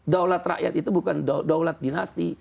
daulat rakyat itu bukan daulat dinasti